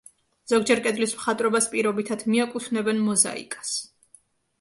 ზოგჯერ კედლის მხატვრობას პირობითად მიაკუთვნებენ მოზაიკას.